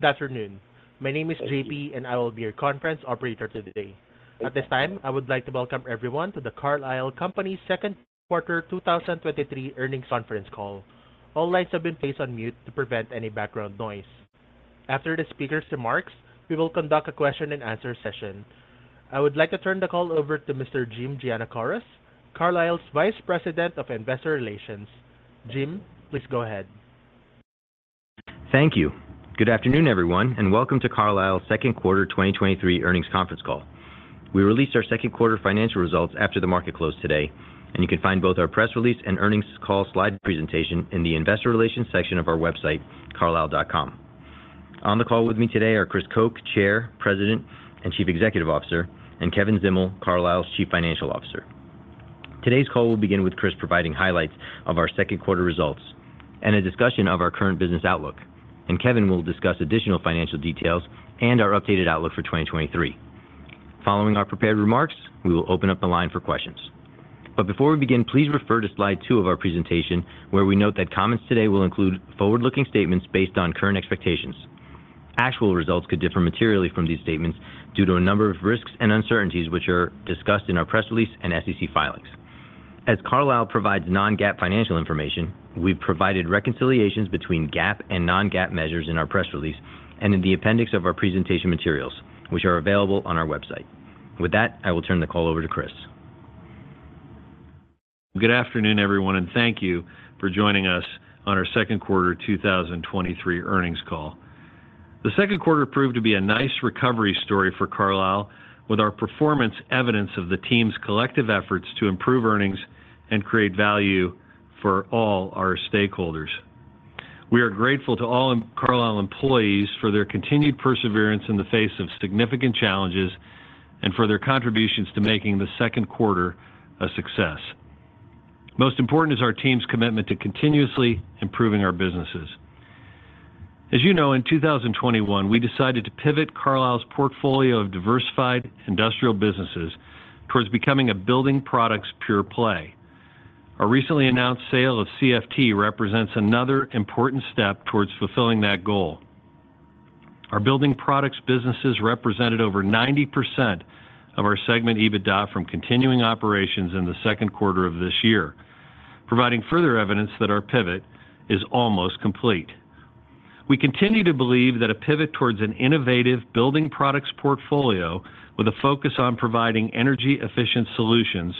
Good afternoon. My name is J.P. I will be your conference operator today. At this time, I would like to welcome everyone to the Carlisle Companies' Q2 2023 earnings conference call. All lines have been placed on mute to prevent any background noise. After the speaker's remarks, we will conduct a question-and-answer session. I would like to turn the call over to Mr. Jim Giannakouros, Carlisle's Vice President of Investor Relations. Jim, please go ahead. Thank you. Good afternoon, everyone, welcome to Carlisle's Q2 2023 earnings conference call. We released our Q2 financial results after the market closed today, and you can find both our press release and earnings call slide presentation in the investor relations section of our website, carlisle.com. On the call with me today are Chris Koch, Chair, President, and Chief Executive Officer, and Kevin Zdimal, Carlisle's Chief Financial Officer. Today's call will begin with Chris providing highlights of our Q2 results and a discussion of our current business outlook, and Kevin will discuss additional financial details and our updated outlook for 2023. Following our prepared remarks, we will open up the line for questions. Before we begin, please refer to slide 2 of our presentation, where we note that comments today will include forward-looking statements based on current expectations. Actual results could differ materially from these statements due to a number of risks and uncertainties, which are discussed in our press release and SEC filings. As Carlisle provides non-GAAP financial information, we provided reconciliations between GAAP and non-GAAP measures in our press release and in the appendix of our presentation materials, which are available on our website. With that, I will turn the call over to Chris. Good afternoon, everyone, thank you for joining us on our Q2 2023 earnings call. The Q2 proved to be a nice recovery story for Carlisle, with our performance evidence of the team's collective efforts to improve earnings and create value for all our stakeholders. We are grateful to all Carlisle employees for their continued perseverance in the face of significant challenges and for their contributions to making the Q2 a success. Most important is our team's commitment to continuously improving our businesses. As you know, in 2021, we decided to pivot Carlisle's portfolio of diversified industrial businesses towards becoming a building products pure play. Our recently announced sale of CFT represents another important step towards fulfilling that goal. Our building products businesses represented over 90% of our segment EBITDA from continuing operations in the Q2 of this year, providing further evidence that our pivot is almost complete. We continue to believe that a pivot towards an innovative building products portfolio with a focus on providing energy-efficient solutions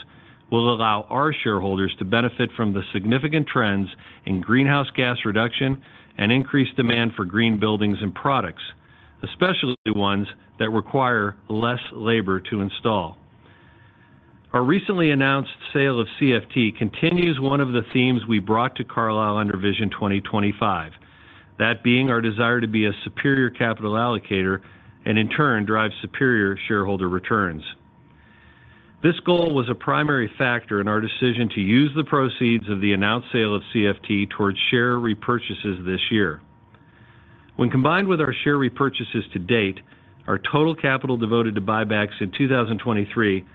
will allow our shareholders to benefit from the significant trends in greenhouse gas reduction and increased demand for green buildings and products, especially ones that require less labor to install. Our recently announced sale of CFT continues one of the themes we brought to Carlisle under Vision 2025, that being our desire to be a superior capital allocator and in turn, drive superior shareholder returns. This goal was a primary factor in our decision to use the proceeds of the announced sale of CFT towards share repurchases this year. When combined with our share repurchases to date, our total capital devoted to buybacks in 2023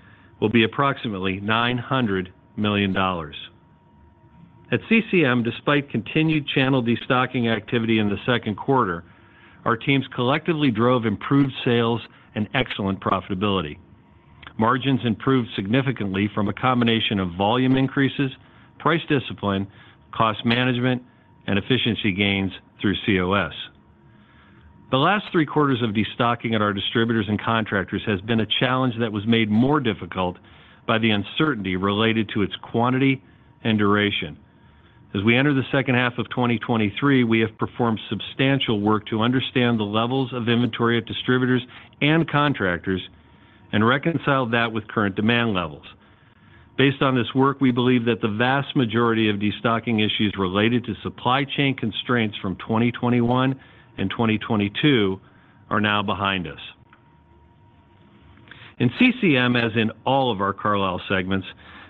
will be approximately $900 million. At CCM, despite continued channel destocking activity in the Q2, our teams collectively drove improved sales and excellent profitability. Margins improved significantly from a combination of volume increases, price discipline, cost management, and efficiency gains through COS. The last three quarters of destocking at our distributors and contractors has been a challenge that was made more difficult by the uncertainty related to its quantity and duration. As we enter the H2 of 2023, we have performed substantial work to understand the levels of inventory at distributors and contractors and reconciled that with current demand levels. Based on this work, we believe that the vast majority of destocking issues related to supply chain constraints from 2021 and 2022 are now behind us. In CCM, as in all of our Carlisle segments,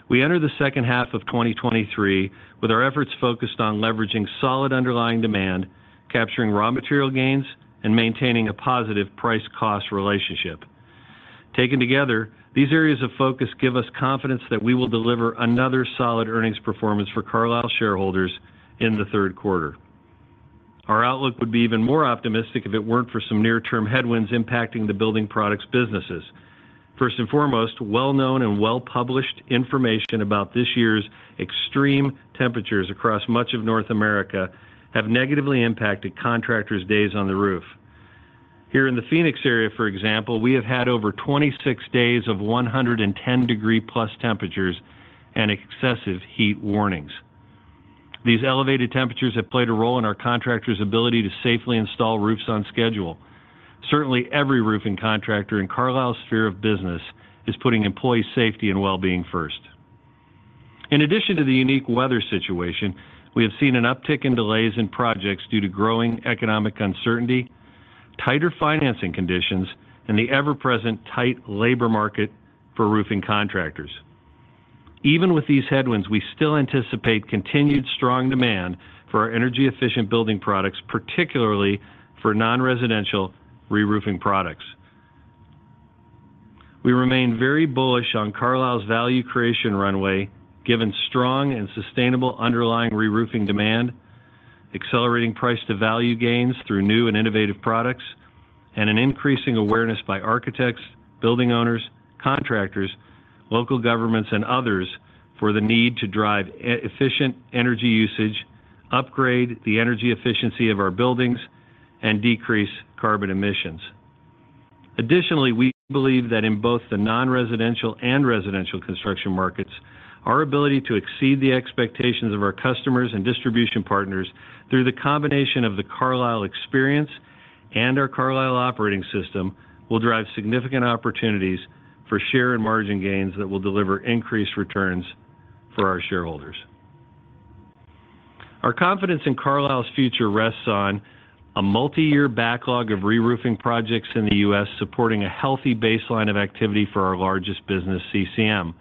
we enter the H2 of 2023 with our efforts focused on leveraging solid underlying demand, capturing raw material gains, and maintaining a positive price-cost relationship. Taken together, these areas of focus give us confidence that we will deliver another solid earnings performance for Carlisle shareholders in the Q3. Our outlook would be even more optimistic if it weren't for some near-term headwinds impacting the building products businesses. First and foremost, well-known and well-published information about this year's extreme temperatures across much of North America have negatively impacted contractors' days on the roof. Here in the Phoenix area, for example, we have had over 26 days of 110 degree plus temperatures and excessive heat warnings. These elevated temperatures have played a role in our contractors' ability to safely install roofs on schedule. Certainly, every roofing contractor in Carlisle's sphere of business is putting employee safety and well-being first. In addition to the unique weather situation, we have seen an uptick in delays in projects due to growing economic uncertainty, tighter financing conditions, and the ever-present tight labor market for roofing contractors. Even with these headwinds, we still anticipate continued strong demand for our energy-efficient building products, particularly for non-residential reroofing products. We remain very bullish on Carlisle's value creation runway, given strong and sustainable underlying reroofing demand, accelerating price to value gains through new and innovative products, and an increasing awareness by architects, building owners, contractors, local governments, and others for the need to drive efficient energy usage, upgrade the energy efficiency of our buildings, and decrease carbon emissions. Additionally, we believe that in both the non-residential and residential construction markets, our ability to exceed the expectations of our customers and distribution partners through the combination of the Carlisle experience and our Carlisle Operating System, will drive significant opportunities for share and margin gains that will deliver increased returns for our shareholders. Our confidence in Carlisle's future rests on a multiyear backlog of reroofing projects in the U.S., supporting a healthy baseline of activity for our largest business, CCM,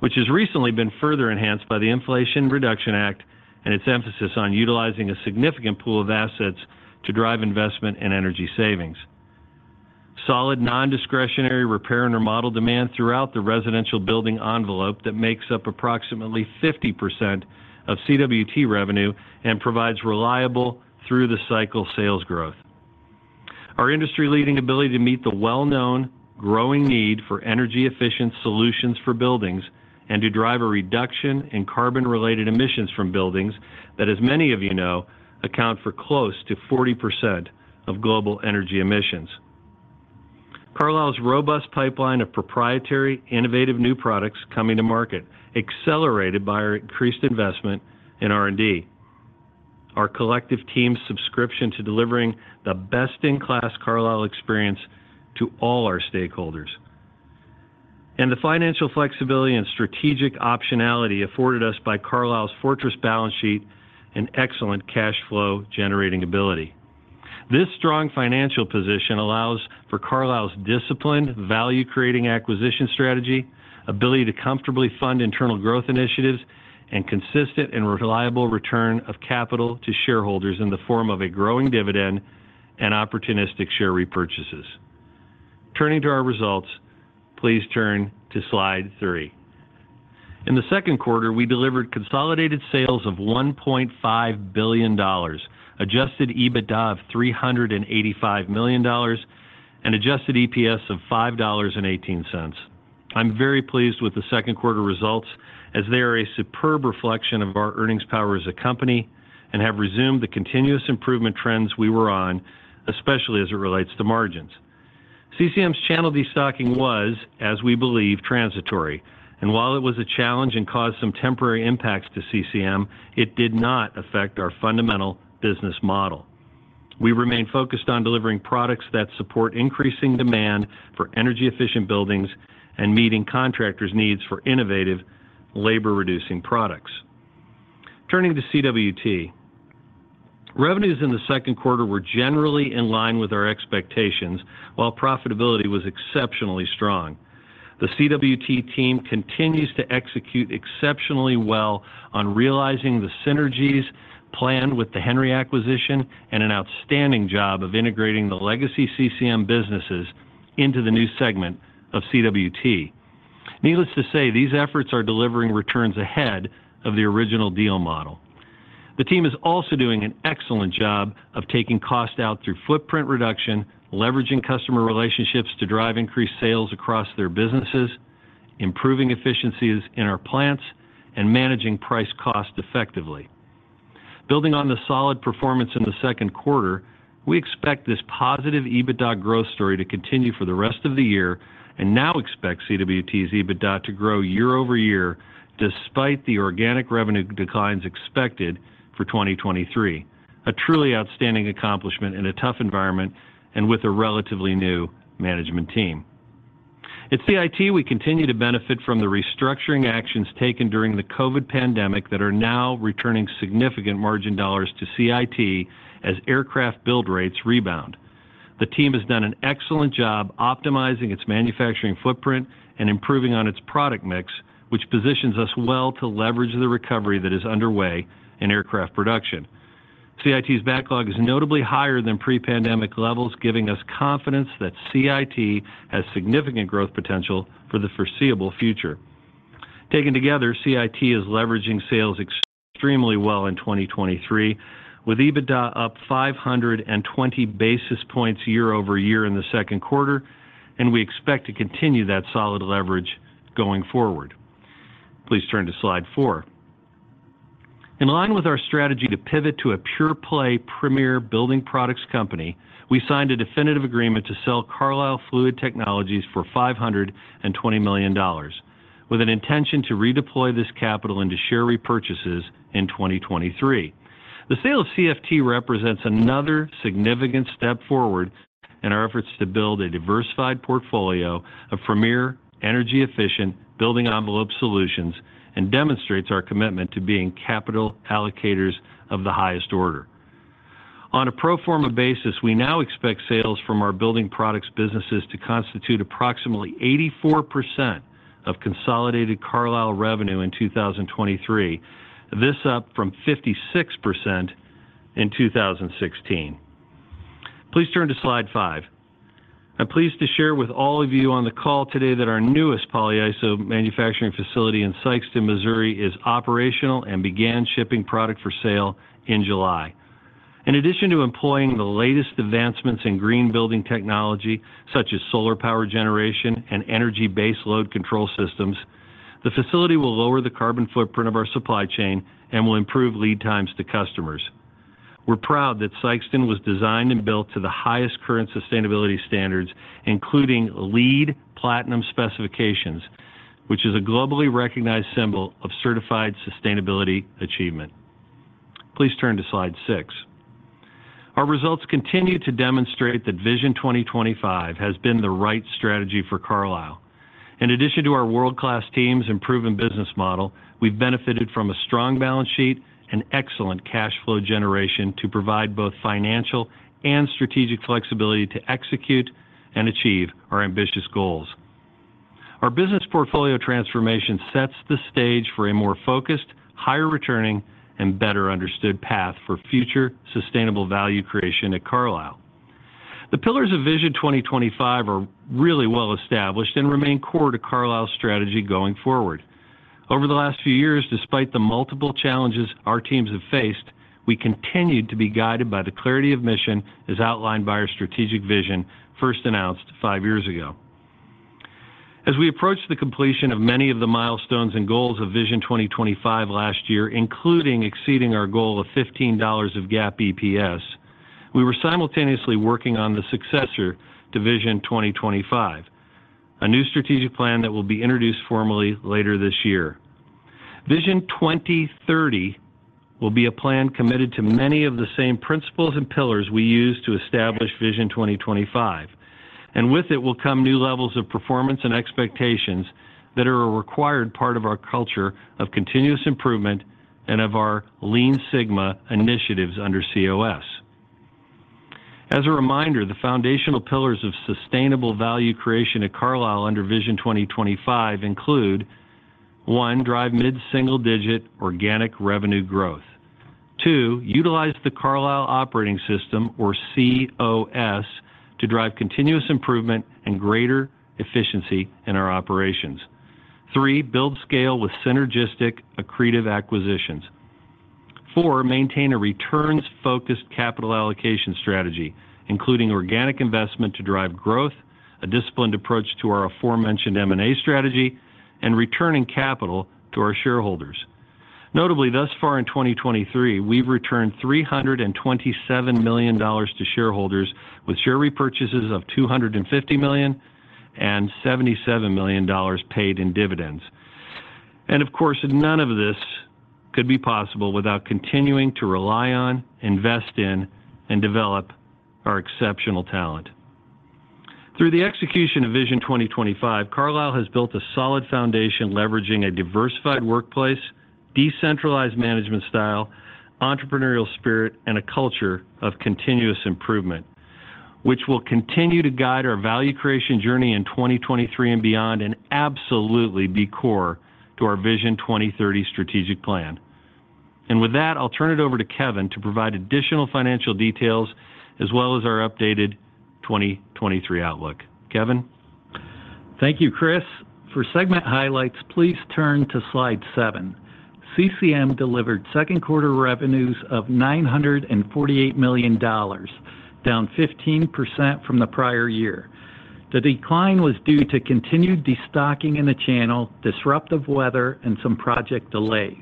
which has recently been further enhanced by the Inflation Reduction Act and its emphasis on utilizing a significant pool of assets to drive investment and energy savings. Solid, non-discretionary repair and remodel demand throughout the residential building envelope that makes up approximately 50% of CWT revenue and provides reliable through the cycle sales growth. Our industry-leading ability to meet the well-known, growing need for energy-efficient solutions for buildings, and to drive a reduction in carbon-related emissions from buildings that, as many of you know, account for close to 40% of global energy emissions. Carlisle's robust pipeline of proprietary, innovative new products coming to market, accelerated by our increased investment in R&D. Our collective team's subscription to delivering the best-in-class Carlisle experience to all our stakeholders, and the financial flexibility and strategic optionality afforded us by Carlisle's fortress balance sheet and excellent cash flow-generating ability. This strong financial position allows for Carlisle's disciplined, value-creating acquisition strategy, ability to comfortably fund internal growth initiatives, and consistent and reliable return of capital to shareholders in the form of a growing dividend and opportunistic share repurchases. Turning to our results, please turn to slide 3. In the Q2, we delivered consolidated sales of $1.5 billion, adjusted EBITDA of $385 million, and adjusted EPS of $5.18. I'm very pleased with the Q2 results, as they are a superb reflection of our earnings power as a company and have resumed the continuous improvement trends we were on, especially as it relates to margins. CCM's channel destocking was, as we believe, transitory, and while it was a challenge and caused some temporary impacts to CCM, it did not affect our fundamental business model. We remain focused on delivering products that support increasing demand for energy-efficient buildings and meeting contractors' needs for innovative, labor-reducing products. Turning to CWT. Revenues in the Q2 were generally in line with our expectations, while profitability was exceptionally strong. The CWT team continues to execute exceptionally well on realizing the synergies planned with the Henry acquisition and an outstanding job of integrating the legacy CCM businesses into the new segment of CWT. Needless to say, these efforts are delivering returns ahead of the original deal model. The team is also doing an excellent job of taking costs out through footprint reduction, leveraging customer relationships to drive increased sales across their businesses, improving efficiencies in our plants, and managing price cost effectively. Building on the solid performance in the Q2, we expect this positive EBITDA growth story to continue for the rest of the year and now expect CWT's EBITDA to grow year-over-year, despite the organic revenue declines expected for 2023. A truly outstanding accomplishment in a tough environment and with a relatively new management team. At CIT, we continue to benefit from the restructuring actions taken during the COVID-19 pandemic that are now returning significant margin dollars to CIT as aircraft build rates rebound. The team has done an excellent job optimizing its manufacturing footprint and improving on its product mix, which positions us well to leverage the recovery that is underway in aircraft production. CIT's backlog is notably higher than pre-pandemic levels, giving us confidence that CIT has significant growth potential for the foreseeable future. Taken together, CIT is leveraging sales extremely well in 2023, with EBITDA up 520 basis points year-over-year in the Q2. We expect to continue that solid leverage going forward. Please turn to slide 4. In line with our strategy to pivot to a pure-play, premier building products company, we signed a definitive agreement to sell Carlisle Fluid Technologies for $520 million, with an intention to redeploy this capital into share repurchases in 2023. The sale of CFT represents another significant step forward in our efforts to build a diversified portfolio of premier, energy-efficient, building envelope solutions, and demonstrates our commitment to being capital allocators of the highest order. On a pro forma basis, we now expect sales from our building products businesses to constitute approximately 84% of consolidated Carlisle revenue in 2023. This up from 56% in 2016. Please turn to slide 5. I'm pleased to share with all of you on the call today that our newest polyiso manufacturing facility in Sikeston, Missouri, is operational and began shipping product for sale in July. In addition to employing the latest advancements in green building technology, such as solar power generation and energy-based load control systems, the facility will lower the carbon footprint of our supply chain and will improve lead times to customers. We're proud that Sikeston was designed and built to the highest current sustainability standards, including LEED Platinum specifications, which is a globally recognized symbol of certified sustainability achievement. Please turn to slide 6. Our results continue to demonstrate that Vision 2025 has been the right strategy for Carlisle. In addition to our world-class teams and proven business model, we've benefited from a strong balance sheet and excellent cash flow generation to provide both financial and strategic flexibility to execute and achieve our ambitious goals. Our business portfolio transformation sets the stage for a more focused, higher returning, and better understood path for future sustainable value creation at Carlisle. The pillars of Vision 2025 are really well established and remain core to Carlisle's strategy going forward. Over the last five years, despite the multiple challenges our teams have faced, we continued to be guided by the clarity of mission, as outlined by our strategic vision, first announced five years ago. As we approach the completion of many of the milestones and goals of Vision 2025 last year, including exceeding our goal of $15 of GAAP EPS, we were simultaneously working on the successor to Vision 2025, a new strategic plan that will be introduced formally later this year. Vision 2030 will be a plan committed to many of the same principles and pillars we used to establish Vision 2025, and with it will come new levels of performance and expectations that are a required part of our culture of continuous improvement and of our Lean Six Sigma initiatives under COS. As a reminder, the foundational pillars of sustainable value creation at Carlisle under Vision 2025 include: One, drive mid-single-digit organic revenue growth. Two, utilize the Carlisle Operating System, or COS, to drive continuous improvement and greater efficiency in our operations. Three, build scale with synergistic, accretive acquisitions. Four, maintain a returns-focused capital allocation strategy, including organic investment to drive growth, a disciplined approach to our aforementioned M&A strategy, and returning capital to our shareholders. Notably, thus far in 2023, we've returned $327 million to shareholders with share repurchases of $250 million and $77 million paid in dividends. Of course, none of these could be possible without continuing to rely on, invest in, and develop our exceptional talent. Through the execution of Vision 2025, Carlisle has built a solid foundation leveraging a diversified workplace, decentralized management style, entrepreneurial spirit, and a culture of continuous improvement, which will continue to guide our value creation journey in 2023 and beyond, absolutely be core to our Vision 2030 strategic plan. With that, I'll turn it over to Kevin to provide additional financial details as well as our updated 2023 outlook. Kevin? Thank you, Chris. For segment highlights, please turn to slide 7. CCM delivered Q2 revenues of $948 million, down 15% from the prior year. The decline was due to continued destocking in the channel, disruptive weather, and some project delays.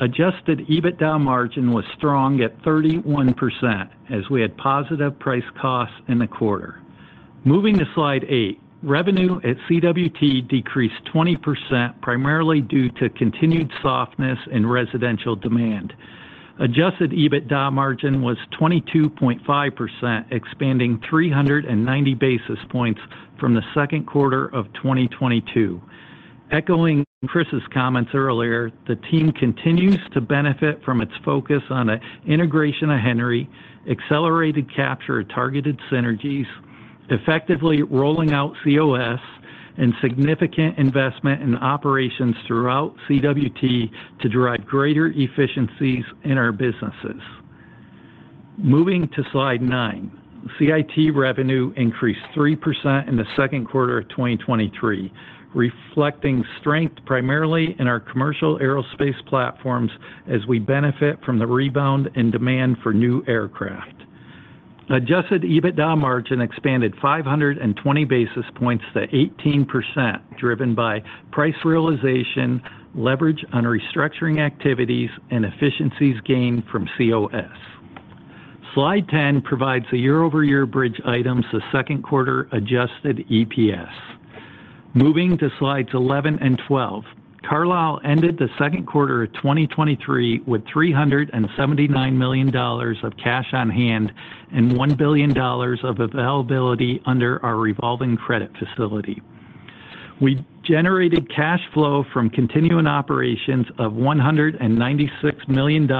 Adjusted EBITDA margin was strong at 31% as we had positive price costs in the quarter. Moving to slide 8, revenue at CWT decreased 20%, primarily due to continued softness in residential demand. Adjusted EBITDA margin was 22.5%, expanding 390 basis points from the Q2 of 2022. Echoing Chris's comments earlier, the team continues to benefit from its focus on the integration of Henry, accelerated capture of targeted synergies, effectively rolling out COS, and significant investment in operations throughout CWT to drive greater efficiencies in our businesses. Moving to slide 9. CIT revenue increased 3% in the Q2 of 2023, reflecting strength primarily in our commercial aerospace platforms as we benefit from the rebound in demand for new aircraft. Adjusted EBITDA margin expanded 520 basis points to 18%, driven by price realization, leverage on restructuring activities, and efficiencies gained from COS. Slide 10 provides the year-over-year bridge items, the Q2 adjusted EPS. Moving to slides 11 and 12. Carlisle ended the Q2 of 2023 with $379 million of cash on hand and $1 billion of availability under our revolving credit facility. We generated cash flow from continuing operations of $196 million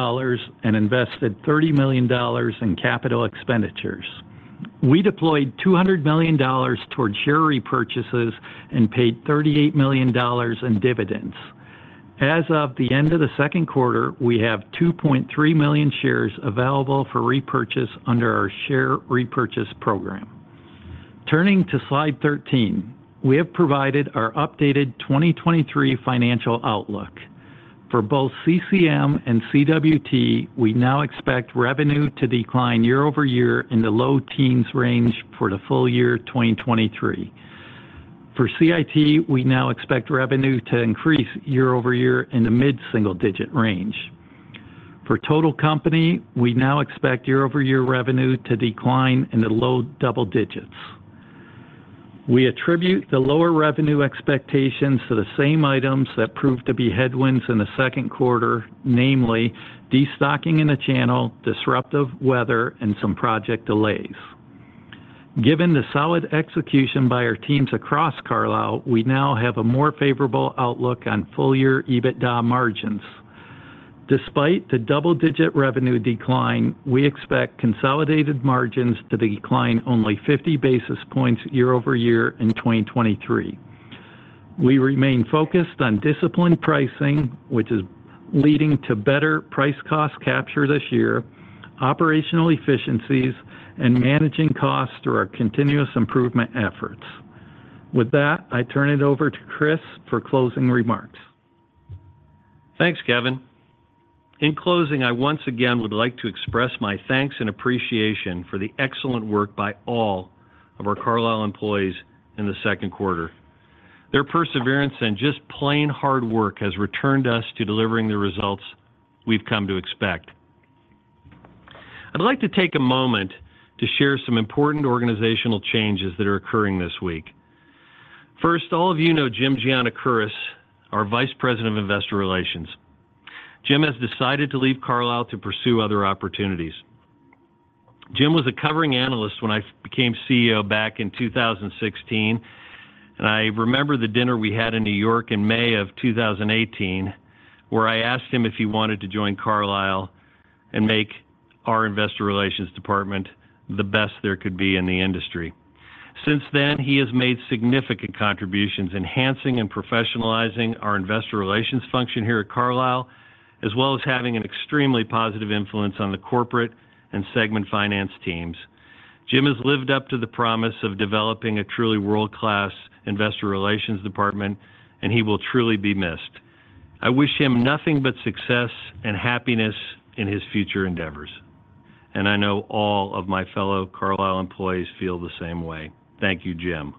and invested $30 million in capital expenditures. We deployed $200 million towards share repurchases and paid $38 million in dividends. As of the end of the Q2, we have 2.3 million shares available for repurchase under our share repurchase program. Turning to slide 13, we have provided our updated 2023 financial outlook. For both CCM and CWT, we now expect revenue to decline year-over-year in the low teens range for the full year, 2023. For CIT, we now expect revenue to increase year-over-year in the mid-single digit range. For total company, we now expect year-over-year revenue to decline in the low double digits. We attribute the lower revenue expectations to the same items that proved to be headwinds in the Q2, namely, destocking in the channel, disruptive weather, and some project delays. Given the solid execution by our teams across Carlisle, we now have a more favorable outlook on full year EBITDA margins. Despite the double-digit revenue decline, we expect consolidated margins to decline only 50 basis points year-over-year in 2023. We remain focused on disciplined pricing, which is leading to better price cost capture this year, operational efficiencies, and managing costs through our continuous improvement efforts. With that, I turn it over to Chris for closing remarks. Thanks, Kevin. In closing, I once again would like to express my thanks and appreciation for the excellent work by all of our Carlisle employees in the Q2. Their perseverance and just plain hard work has returned us to delivering the results we've come to expect. I'd like to take a moment to share some important organizational changes that are occurring this week. All of you know Jim Giannakouros, our Vice President of Investor Relations. Jim has decided to leave Carlisle to pursue other opportunities. Jim was a covering analyst when I became CEO back in 2016. I remember the dinner we had in New York in May of 2018, where I asked him if he wanted to join Carlisle and make our investor relations department the best there could be in the industry. Since then, he has made significant contributions, enhancing and professionalizing our Investor Relations function here at Carlisle, as well as having an extremely positive influence on the corporate and segment finance teams. Jim has lived up to the promise of developing a truly world-class Investor Relations department, and he will truly be missed. I wish him nothing but success and happiness in his future endeavors, and I know all of my fellow Carlisle employees feel the same way. Thank you, Jim.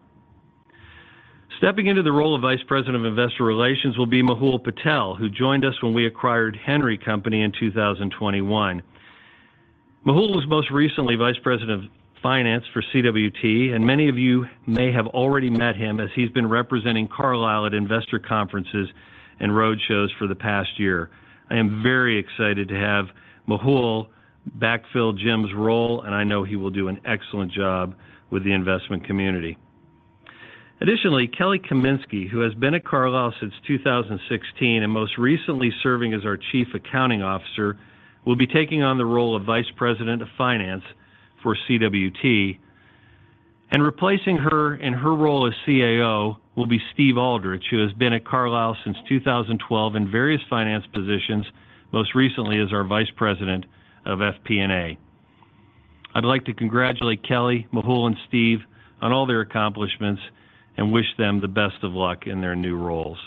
Stepping into the role of Vice President of Investor Relations will be Mehul Patel, who joined us when we acquired Henry Company in 2021. Mehul was most recently Vice President of Finance for CWT, and many of you may have already met him as he's been representing Carlisle at investor conferences and roadshows for the past year. I am very excited to have Mehul backfill Jim's role, and I know he will do an excellent job with the investment community. Additionally, Kelly Kamienski, who has been at Carlisle since 2016 and most recently serving as our Chief Accounting Officer, will be taking on the role of Vice President of Finance for CWT. Replacing her in her role as CAO will be Stephen Aldrich, who has been at Carlisle since 2012 in various finance positions, most recently as our Vice President of FP&A. I'd like to congratulate Kelly, Mehul, and Stephen on all their accomplishments and wish them the best of luck in their new roles.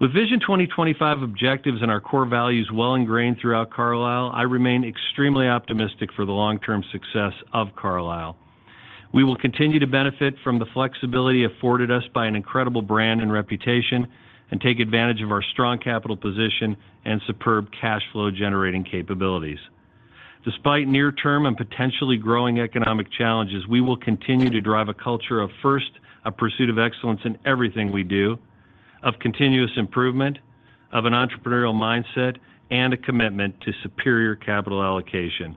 With Vision 2025 objectives and our core values well ingrained throughout Carlisle, I remain extremely optimistic for the long-term success of Carlisle. We will continue to benefit from the flexibility afforded us by an incredible brand and reputation, and take advantage of our strong capital position and superb cash flow-generating capabilities. Despite near-term and potentially growing economic challenges, we will continue to drive a culture of first, a pursuit of excellence in everything we do, of continuous improvement, of an entrepreneurial mindset, and a commitment to superior capital allocation.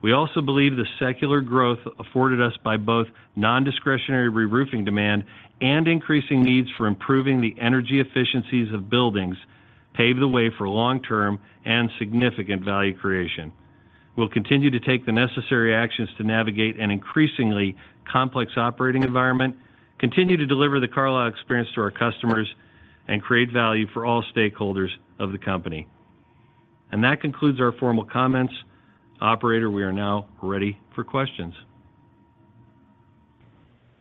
We also believe the secular growth afforded us by both non-discretionary reroofing demand and increasing needs for improving the energy efficiencies of buildings, pave the way for long-term and significant value creation. We'll continue to take the necessary actions to navigate an increasingly complex operating environment, continue to deliver the Carlisle experience to our customers, and create value for all stakeholders of the company. That concludes our formal comments. Operator, we are now ready for questions.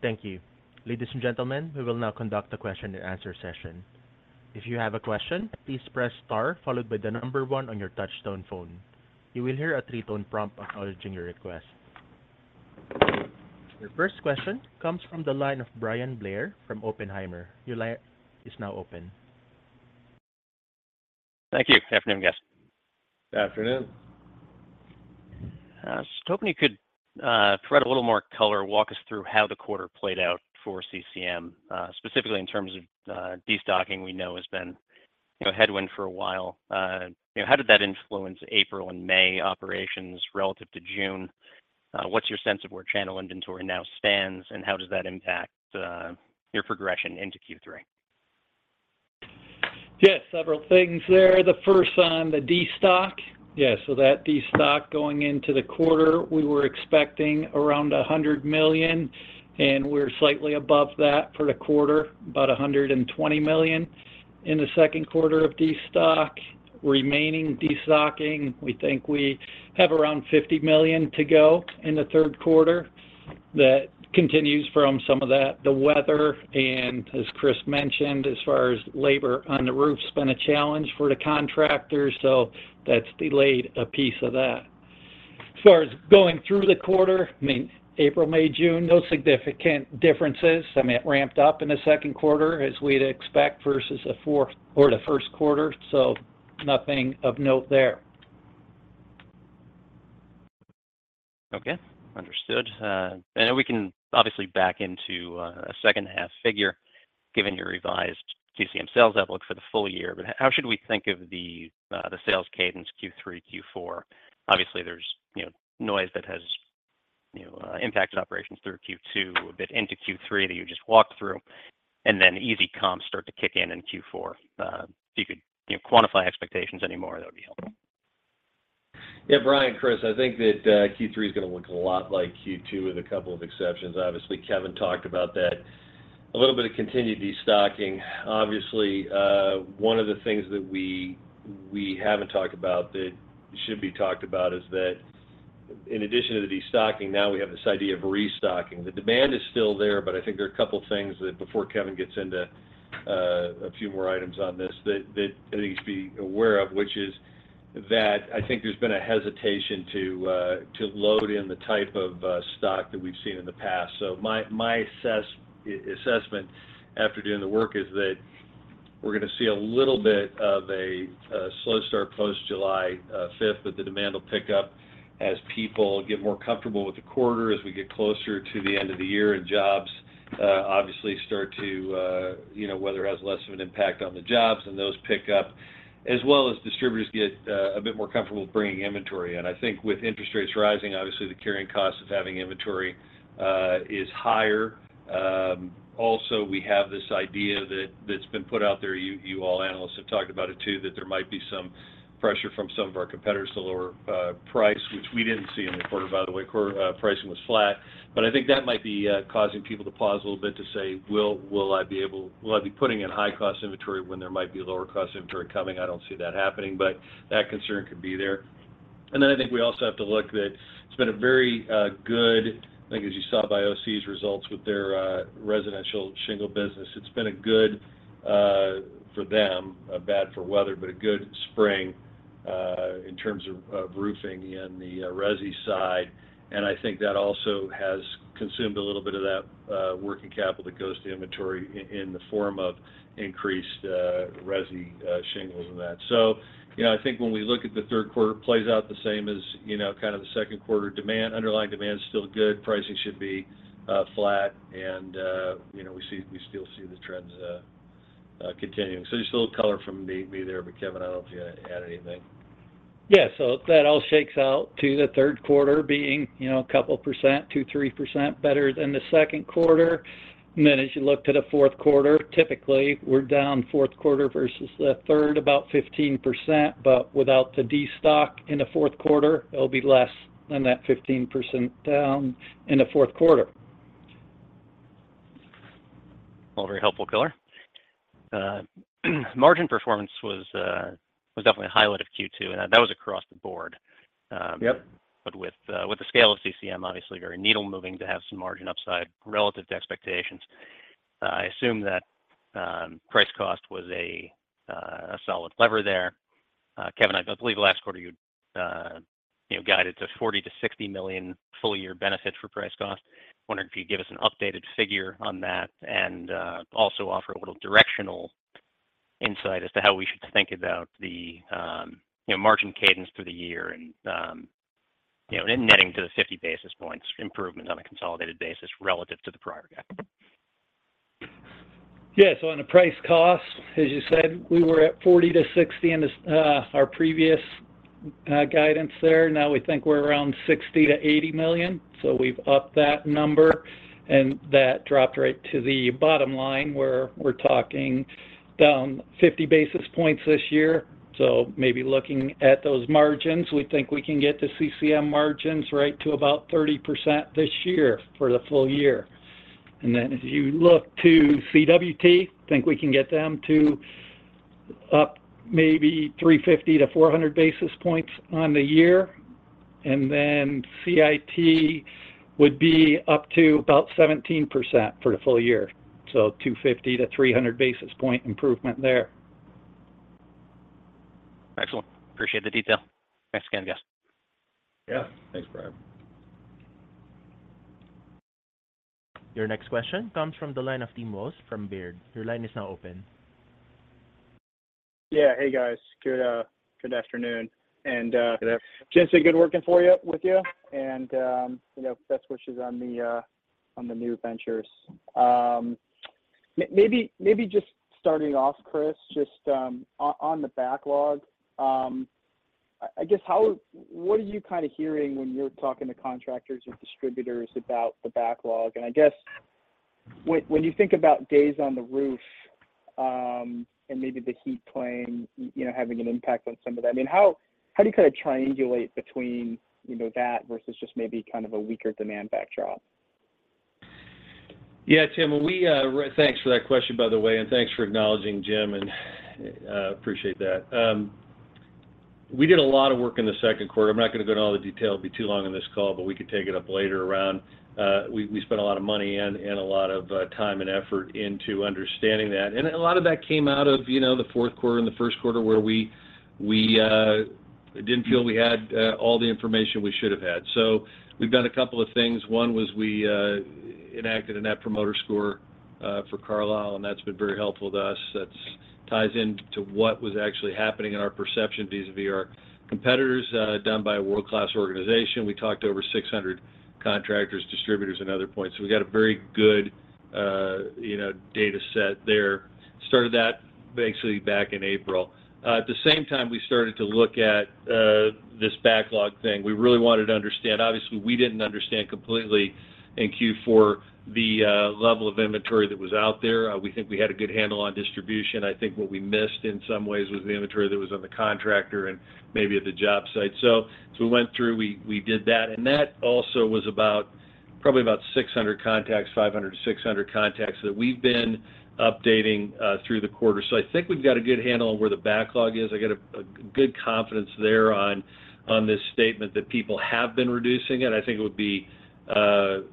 Thank you. Ladies and gentlemen, we will now conduct a question and answer session. If you have a question, please press star followed by one on your touch-tone phone. You will hear a 3-tone prompt acknowledging your request. Your first question comes from the line of Bryan Blair from Oppenheimer. Your line is now open. Thank you. Afternoon, guys. Afternoon. Just hoping you could provide a little more color, walk us through how the quarter played out for CCM, specifically in terms of destocking, we know has been a headwind for a while. How did that influence April and May operations relative to June? What's your sense of where channel inventory now stands, and how does that impact your progression into Q3? Yes, several things there. The first on the destock. That destock going into the quarter, we were expecting around $100 million, and we're slightly above that for the quarter, about $120 million in the Q2 of destock. Remaining destocking, we think we have around $50 million to go in the Q3. That continues from some of that, the weather, and as Chris mentioned, as far as labor on the roof's been a challenge for the contractors, so that's delayed a piece of that. As far as going through the quarter, I mean, April, May, June, no significant differences. I mean, it ramped up in the Q2 as we'd expect, versus the fourth or the Q1, so nothing of note there. Okay, understood. And we can obviously back into a H2 figure, given your revised CCM sales outlook for the full year. How should we think of the sales cadence Q3, Q4? Obviously, there's, you know, noise that has, you know, impacted operations through Q2, a bit into Q3 that you just walked through, and then easy comps start to kick in in Q4. If you could, you know, quantify expectations anymore, that would be helpful. Yeah, Bryan, Chris, I think that Q3 is going to look a lot like Q2, with a couple of exceptions. Obviously, Kevin talked about that. A little bit of continued destocking. Obviously, one of the things that we haven't talked about that should be talked about is that in addition to the destocking, now we have this idea of restocking. The demand is still there, but I think there are a couple of things that before Kevin gets into a few more items on this, that I think you should be aware of, which is that I think there's been a hesitation to load in the type of stock that we've seen in the past. My assessment after doing the work is that we're going to see a little bit of a slow start post 5th July 2023, but the demand will pick up as people get more comfortable with the quarter, as we get closer to the end of the year and jobs obviously start to. You know, weather has less of an impact on the jobs, and those pick up, as well as distributors get a bit more comfortable with bringing inventory in. I think with interest rates rising, obviously, the carrying cost of having inventory is higher. Also, we have this idea that's been put out there, you all analysts have talked about it, too, that there might be some pressure from some of our competitors to lower price, which we didn't see in the quarter, by the way. Quarter, pricing was flat. I think that might be causing people to pause a little bit to say, "Will I be putting in high-cost inventory when there might be lower-cost inventory coming?" I don't see that happening, but that concern could be there. I think we also have to look that it's been a very good, I think as you saw by OC's results with their residential shingle business, it's been a good for them, bad for weather, but a good spring in terms of roofing in the Resi side. I think that also has consumed a little bit of that working capital that goes to inventory in the form of increased resi shingles and that. You know, I think when we look at the Q3, it plays out the same as, you know, kind of the Q2. Demand, underlying demand is still good, pricing should be flat, and you know, we still see the trends continuing. Just a little color from me there, Kevin, I don't know if you want to add anything. Yeah, that all shakes out to the Q3 being, you know, a couple percent, 2%, 3% better than the Q2. As you look to the Q4, typically, we're down Q4 versus the third, about 15%, but without the destock in the Q4, it'll be less than that 15% down in the Q4. All very helpful color. Margin performance was definitely a highlight of Q2. That was across the board. Yep. With the scale of CCM, obviously, very needle moving to have some margin upside relative to expectations. I assume that price cost was a solid lever there. Kevin, I believe last quarter you know, guided to $40 million-$60 million full year benefit for price cost. I wondered if you'd give us an updated figure on that and also offer a little directional insight as to how we should think about the, you know, margin cadence through the year and, you know, and then netting to the 50 basis points improvement on a consolidated basis relative to the prior year. Yeah. On the price cost, as you said, we were at 40-60 in this, our previous guidance there. Now, we think we're around $60 million-$80 million. We've upped that number, and that dropped right to the bottom line, where we're talking down 50 basis points this year. Maybe looking at those margins, we think we can get the CCM margins right to about 30% this year for the full year. If you look to CWT, think we can get them to up maybe 350-400 basis points on the year. CIT would be up to about 17% for the full year, so 250-300 basis point improvement there. Excellent. Appreciate the detail. Thanks again, guys. Yeah. Thanks, Bryan. Your next question comes from the line of Timothy Wojs from Baird. Your line is now open. Yeah. Hey, guys. Good, good afternoon. Good afternoon. Jim i'ts been good working with you, and, you know, best wishes on the new ventures. Maybe just starting off, Chris, just on the backlog, I guess how, what are you kind of hearing when you're talking to contractors or distributors about the backlog? I guess when you think about days on the roof, and maybe the heat playing, you know, having an impact on some of that, I mean, how do you kind of triangulate between, you know, that versus just maybe kind of a weaker demand backdrop? Yeah, Tim, thanks for that question, by the way, and thanks for acknowledging Jim, appreciate that. We did a lot of work in the Q2. I'm not going to go into all the detail, it'd be too long on this call, but we could take it up later around. We spent a lot of money and a lot of time and effort into understanding that. A lot of that came out of, you know, the fourth quarter and the Q1, where we didn't feel we had all the information we should have had. We've done a couple of things. One was we enacted a Net Promoter Score for Carlisle, and that's been very helpful to us. That's ties into what was actually happening in our perception vis-a-vis our competitors, done by a world-class organization. We talked to over 600 contractors, distributors, and other points, so we got a very good, you know, data set there. Started that basically back in April. At the same time, we started to look at this backlog thing. We really wanted to understand. Obviously, we didn't understand completely in Q4 the level of inventory that was out there. We think we had a good handle on distribution. I think what we missed, in some ways, was the inventory that was on the contractor and maybe at the job site. We went through, we did that, and that also was about, probably about 600 contacts, 500-600 contacts that we've been updating through the quarter. I think we've got a good handle on where the backlog is. I got a good confidence there on this statement that people have been reducing it. I think it would be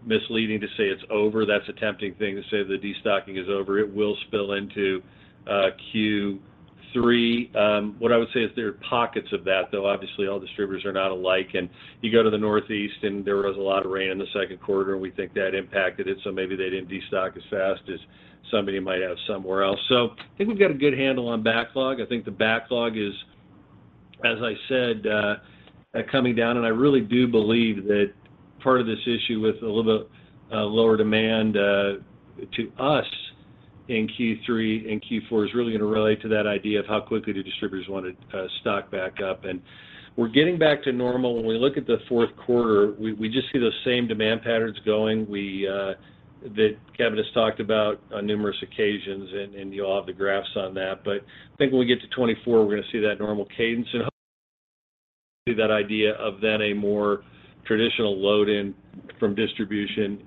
misleading to say it's over. That's a tempting thing to say, that destocking is over. It will spill into Q3. What I would say is there are pockets of that, though. Obviously, all distributors are not alike, and you go to the Northeast, and there was a lot of rain in the Q2. We think that impacted it, so maybe they didn't destock as fast as somebody might have somewhere else. I think we've got a good handle on backlog. I think the backlog is, as I said, coming down, and I really do believe that part of this issue with a little bit lower demand to us in Q3 and Q4 is really going to relate to that idea of how quickly the distributors want to stock back up. We're getting back to normal. When we look at the fourth quarter, we just see those same demand patterns going. That Kevin has talked about on numerous occasions, and you all have the graphs on that. I think when we get to 2024, we're going to see that normal cadence and see that idea of then a more traditional load-in from distribution,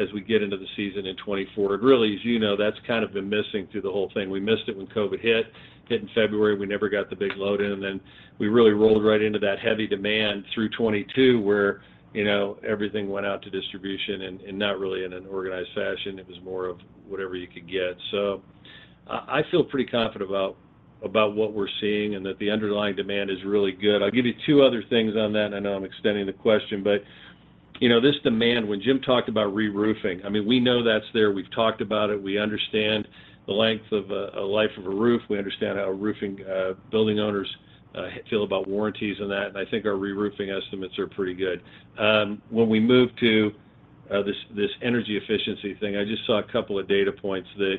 as we get into the season in 2024. It really, as you know, that's kind of been missing through the whole thing. We missed it when COVID-19 hit. Hit in February, we never got the big load-in, then we really rolled right into that heavy demand through 22, where, you know, everything went out to distribution and not really in an organized fashion. It was more of whatever you could get. I feel pretty confident about what we're seeing and that the underlying demand is really good. I'll give you two other things on that. I know I'm extending the question, you know, this demand, when Jim talked about reroofing, I mean, we know that's there. We've talked about it. We understand the length of a life of a roof. We understand how roofing building owners feel about warranties on that, I think our reroofing estimates are pretty good. When we move to this energy efficiency thing, I just saw a couple of data points that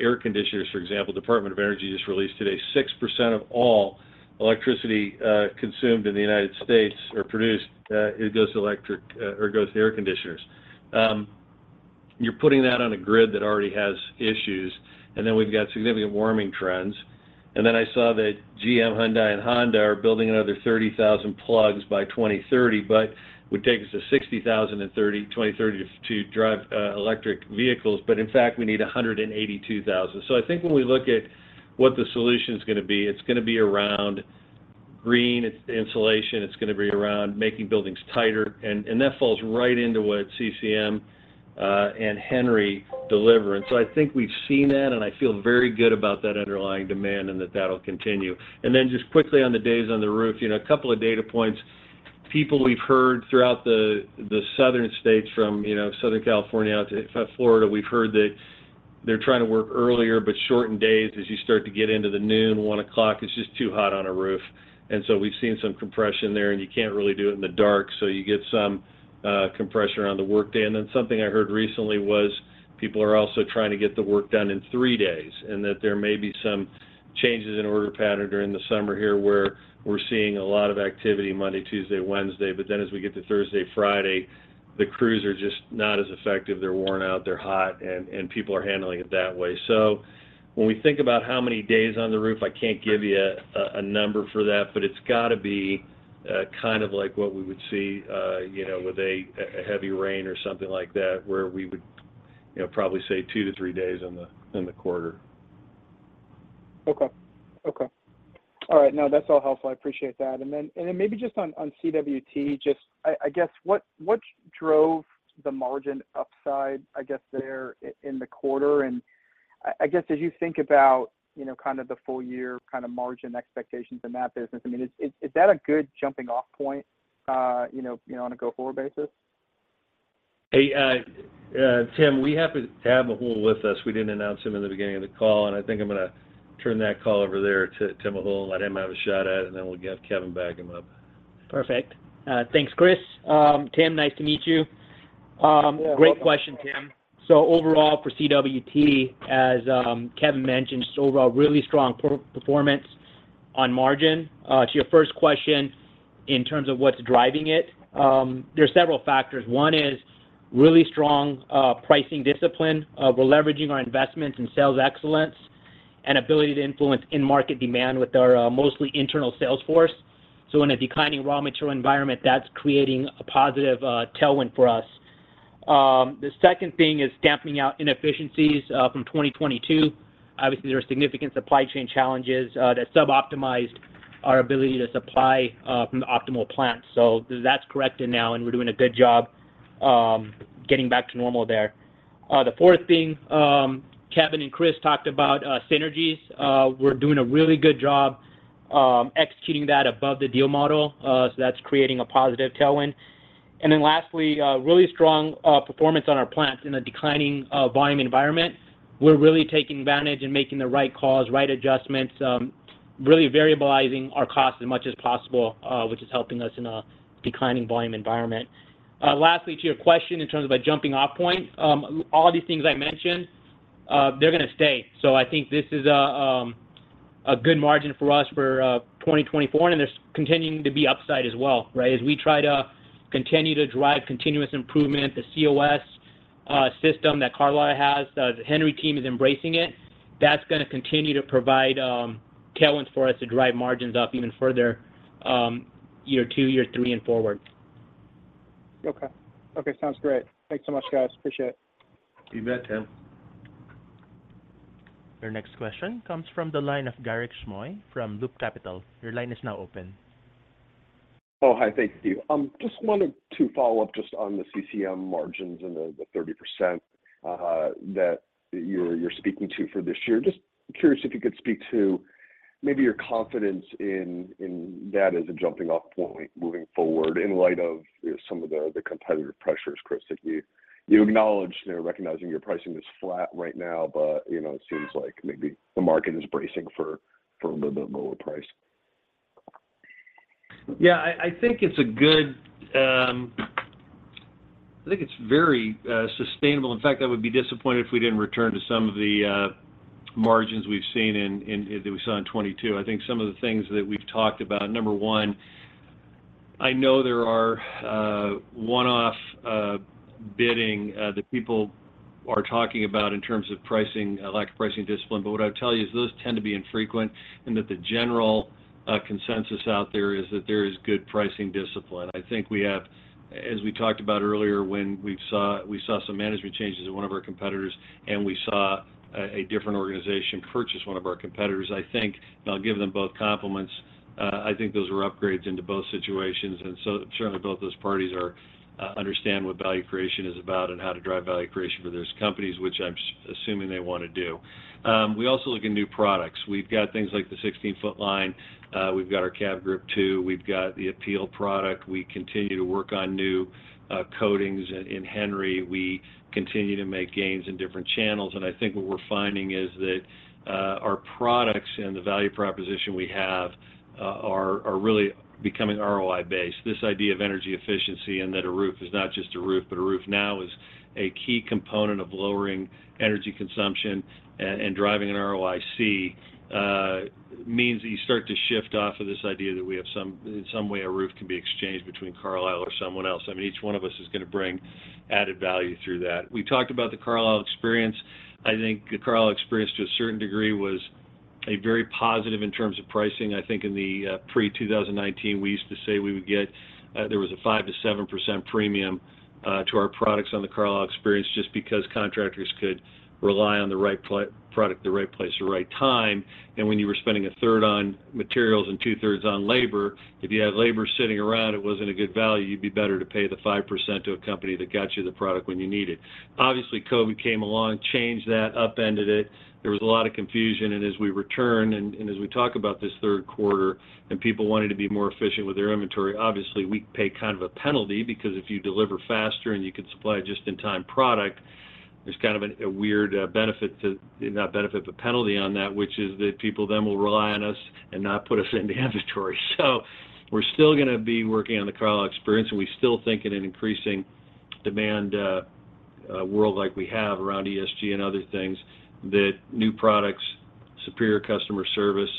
air conditioners, for example, Department of Energy just released today, 6% of all electricity consumed in the United States, or produced, it goes to electric, or it goes to air conditioners. You're putting that on a grid that already has issues, we've got significant warming trends. I saw that GM, Hyundai, and Honda are building another 30,000 plugs by 2030, but it would take us to 60,000 2030 to drive electric vehicles. In fact, we need 182,000. I think when we look at what the solution is going to be, it's going to be around green insulation. It's going to be around making buildings tighter, and that falls right into what CCM and Henry deliver. I think we've seen that, and I feel very good about that underlying demand and that that'll continue. Just quickly on the days on the roof, you know, a couple of data points. People we've heard throughout the southern states, from, you know, Southern California out to Florida, we've heard that they're trying to work earlier, but shortened days, as you start to get into the noon, 1:00, it's just too hot on a roof. We've seen some compression there, and you can't really do it in the dark, so you get some compression around the workday. Something I heard recently was people are also trying to get the work done in 3 days, and that there may be some changes in order pattern during the summer here, where we're seeing a lot of activity Monday, Tuesday, Wednesday. As we get to Thursday, Friday, the crews are just not as effective. They're worn out, they're hot, and people are handling it that way. When we think about how many days on the roof, I can't give you a number for that, but it's got to be kind of like what we would see, you know, with a heavy rain or something like that, where we would, you know, probably say 2-3 days in the quarter. Okay. Okay. All right. No, that's all helpful. I appreciate that. Then maybe just on CWT, just, I guess, what drove the margin upside, I guess, there in the quarter? I guess, as you think about, you know, kind of the full year kind of margin expectations in that business, I mean, is that a good jumping-off point, you know, on a go-forward basis? Hey, Tim, we happen to have Mehul with us. We didn't announce him in the beginning of the call, and I think I'm going to turn that call over there to Mehul Patel, let him have a shot at it, and then we'll have Kevin back him up. Perfect. Thanks, Chris. Tim, nice to meet you. Great question, Tim. Overall, for CWT, as Kevin mentioned, just overall, really strong performance on margin. To your first question, in terms of what's driving it, there are several factors. One is really strong pricing discipline. We're leveraging our investments in sales excellence and ability to influence in-market demand with our mostly internal sales force. In a declining raw material environment, that's creating a positive tailwind for us. The second thing is dampening out inefficiencies from 2022. Obviously, there are significant supply chain challenges that suboptimized our ability to supply from the optimal plant. That's corrected now, and we're doing a good job getting back to normal there. The fourth thing, Kevin and Chris talked about synergies. We're doing a really good job executing that above the deal model. That's creating a positive tailwind. Lastly, a really strong performance on our plants in a declining volume environment. We're really taking advantage and making the right calls, right adjustments, really variabilizing our costs as much as possible, which is helping us in a declining volume environment. Lastly, to your question, in terms of a jumping-off point, all these things I mentioned, they're gonna stay. I think this is a good margin for us for 2024, and there's continuing to be upside as well, right? As we try to continue to drive continuous improvement, the COS system that Carlisle has, the Henry team is embracing it. That's gonna continue to provide tailwinds for us to drive margins up even further, Y2, Y3, and forward. Okay. Okay, sounds great. Thanks so much, guys. Appreciate it. You bet, Tim. Your next question comes from the line of Garik Shmois from Loop Capital. Your line is now open. Hi. Thank you. Just wanted to follow up just on the CCM margins and the 30% that you're speaking to for this year. Just curious if you could speak to maybe your confidence in that as a jumping-off point moving forward, in light of some of the competitive pressures, Chris, that you acknowledge, recognizing your pricing is flat right now, but, you know, it seems like maybe the market is bracing for a little bit lower price. I think it's a good. I think it's very sustainable. In fact, I would be disappointed if we didn't return to some of the margins we've seen that we saw in 2022. I think some of the things that we've talked about, number one. I know there are one-off bidding that people are talking about in terms of pricing, lack of pricing discipline. What I would tell you is those tend to be infrequent and that the general consensus out there is that there is good pricing discipline. I think we have, as we talked about earlier, when we saw some management changes in one of our competitors. We saw a different organization purchase one of our competitors. I think, and I'll give them both compliments, I think those were upgrades into both situations. Certainly, both those parties understand what value creation is about and how to drive value creation for those companies, which I'm assuming they wanna do. We also look in new products. We've got things like the 16-foot line. We've got our Cab Group, too. We've got the APEEL product. We continue to work on new coatings in Henry. We continue to make gains in different channels, and I think what we're finding is that our products and the value proposition we have are really becoming ROI-based. This idea of energy efficiency and that a roof is not just a roof, but a roof now is a key component of lowering energy consumption and driving an ROIC, means that you start to shift off of this idea that we have in some way, a roof can be exchanged between Carlisle or someone else. I mean, each one of us is gonna bring added value through that. We talked about the Carlisle experience. I think the Carlisle experience, to a certain degree, was a very positive in terms of pricing. I think in the pre-2019, we used to say we would get there was a 5%-7% premium to our products on the Carlisle experience just because contractors could rely on the right product, the right place, the right time. When you were spending a third on materials and two-thirds on labor, if you had labor sitting around, it wasn't a good value. You'd be better to pay the 5% to a company that got you the product when you need it. COVID-19 came along, changed that, upended it. There was a lot of confusion. As we return and as we talk about this Q3 and people wanting to be more efficient with their inventory, obviously, we pay kind of a weird benefit to... not benefit, but penalty on that, which is that people then will rely on us and not put us into inventory. We're still gonna be working on the Carlisle experience, and we still think in an increasing demand world like we have around ESG and other things, that new products, superior customer service,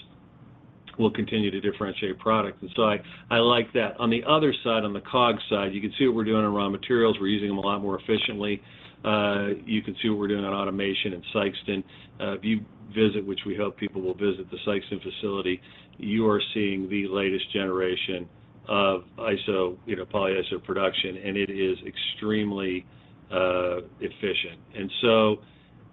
will continue to differentiate product. I like that. On the other side, on the COS side, you can see what we're doing on raw materials. We're using them a lot more efficiently. You can see what we're doing on automation in Sikeston. If you visit, which we hope people will visit, the Sikeston facility, you are seeing the latest generation of ISO, you know, polyester production, and it is extremely efficient.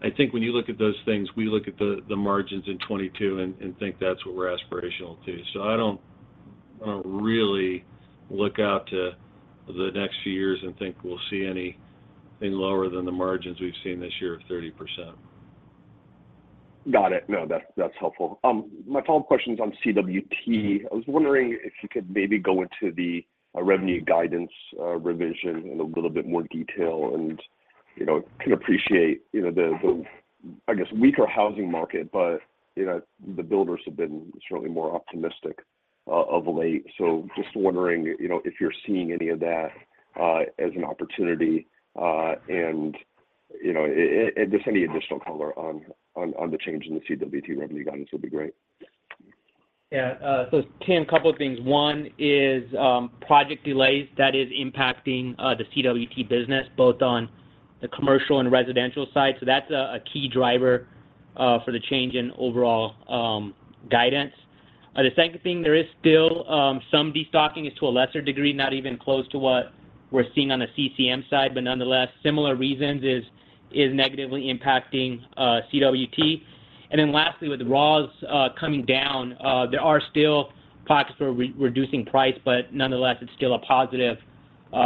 I think when you look at those things, we look at the margins in 2022 and think that's what we're aspirational to. I don't really look out to the next few years and think we'll see anything lower than the margins we've seen this year of 30%. Got it. No, that's helpful. My follow-up question is on CWT. I was wondering if you could maybe go into the revenue guidance revision in a little bit more detail. You know, can appreciate, you know, the, I guess, weaker housing market, but, you know, the builders have been certainly more optimistic of late. Just wondering, you know, if you're seeing any of that as an opportunity, and, you know, just any additional color on the change in the CWT revenue guidance will be great. Tim, a couple of things. One is, project delays that is impacting the CWT business, both on the commercial and residential side. That's a key driver for the change in overall guidance. The second thing, there is still some destocking. It's to a lesser degree, not even close to what we're seeing on the CCM side, but nonetheless, similar reasons is negatively impacting CWT. Then lastly, with the raws coming down, there are still pockets where we're reducing price, but nonetheless, it's still a positive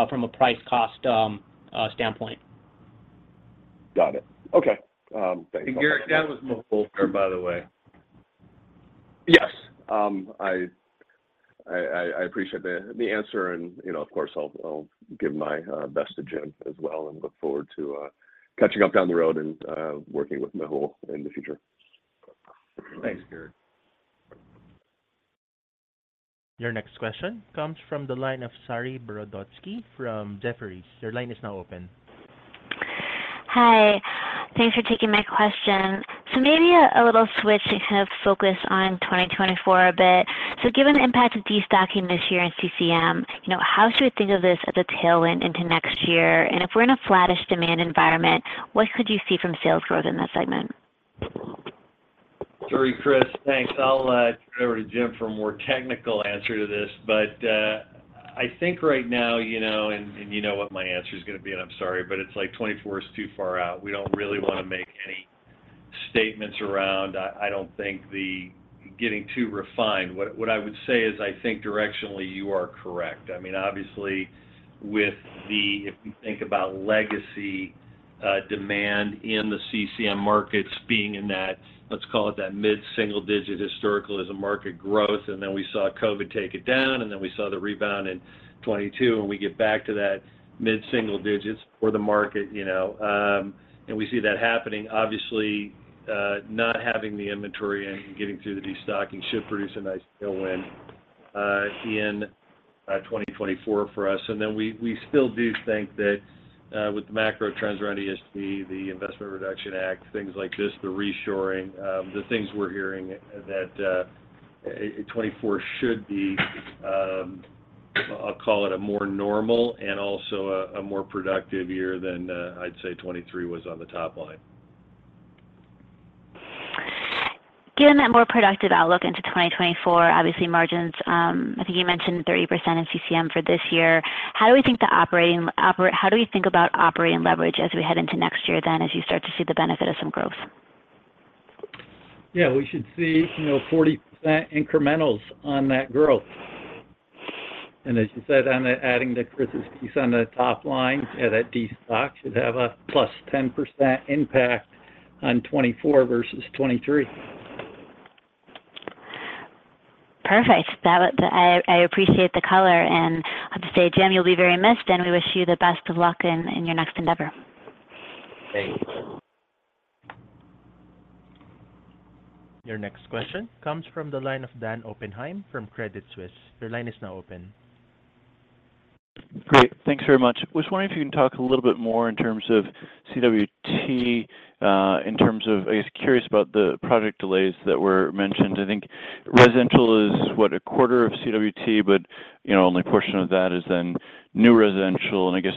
from a price cost standpoint. Got it. Okay, thanks. Garrett, that was Mehul, by the way. Yes. I appreciate the answer, and, you know, of course, I'll give my best to Jim as well, and look forward to catching up down the road and working with Mehul in the future. Thanks, Garrett. Your next question comes from the line of Saree Boroditsky from Jefferies. Your line is now open. Hi, thanks for taking my question. Maybe a little switch to kind of focus on 2024 a bit. Given the impact of destocking this year in CCM, you know, how should we think of this as a tailwind into next year? If we're in a flattish demand environment, what could you see from sales growth in that segment? Saree, Chris, thanks. I'll turn it over to Jim for a more technical answer to this, but I think right now, you know, and you know what my answer is gonna be, and I'm sorry, but it's like 2024 is too far out. We don't really wanna make any statements around. I don't think getting too refined. What I would say is, I think directionally, you are correct. I mean, obviously, with if you think about legacy demand in the CCM markets being in that, let's call it that mid-single digit, historical as a market growth, and then we saw COVID-19 take it down, and then we saw the rebound in 2022, and we get back to that mid-single digits for the market, you know. We see that happening. Obviously, not having the inventory and getting through the destocking should produce a nice tailwind in 2024 for us. We, we still do think that with the macro trends around ESG, the Inflation Reduction Act, things like this, the reshoring, the things we're hearing, that 2024 should be, I'll call it a more normal and also a more productive year than I'd say 2023 was on the top line. Given that more productive outlook into 2024, obviously margins, I think you mentioned 30% in CCM for this year. How do we think about operating leverage as we head into next year then, as you start to see the benefit of some growth? Yeah, we should see, you know, 40% incrementals on that growth. As you said, on the adding to Chris's piece on the top line, that destock should have a +10% impact on 2024 versus 2023. Perfect. I appreciate the color and I have to say, Jim, you'll be very missed, and we wish you the best of luck in your next endeavor. Thank you. Your next question comes from the line of Daniel Oppenheim from Credit Suisse. Your line is now open. Great. Thanks very much. Was wondering if you can talk a little bit more in terms of CWT, in terms of, I guess, curious about the project delays that were mentioned. I think residential is, what, a quarter of CWT, but, you know, only a portion of that is then new residential. I guess,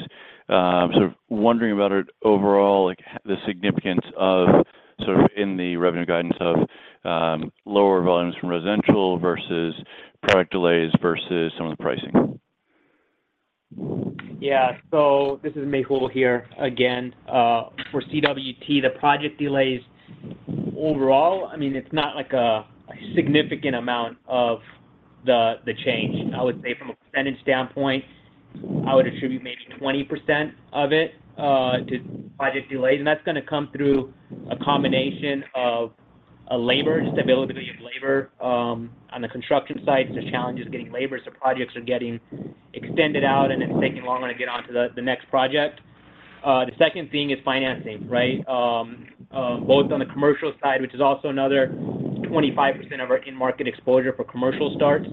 sort of wondering about it overall, like, the significance of, sort of in the revenue guidance of, lower volumes from residential versus product delays versus some of the pricing. Yeah. This is Mehul here again. For CWT, the project delays overall, I mean, it's not like a significant amount of the change. I would say from a percentage standpoint, I would attribute maybe 20% of it to project delays, and that's gonna come through a combination of labor, just availability of labor on the construction sites. The challenge is getting labor, projects are getting extended out, and it's taking longer to get onto the next project. The second thing is financing, right? Both on the commercial side, which is also another 25% of our in-market exposure for commercial starts.